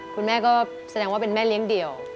คุณแม่ก็แสดงว่าเป็นแม่เลี้ยงเดี่ยว